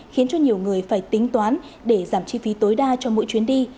khiến cho nhiều người phải tính toán để giảm chi phí tối đa cho mỗi chuyến đi